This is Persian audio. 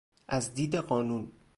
از دید قانون